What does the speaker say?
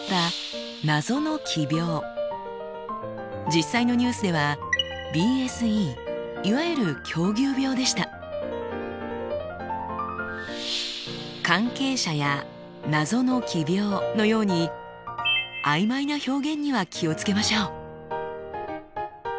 実際のニュースでは「関係者」や「謎の奇病」のようにあいまいな表現には気をつけましょう。